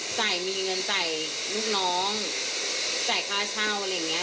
จ่ายมีเงินจ่ายลูกน้องจ่ายค่าเช่าอะไรอย่างนี้